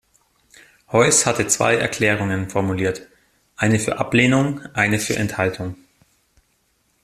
Heuss hatte zwei Erklärungen formuliert, eine für Ablehnung, eine für Enthaltung.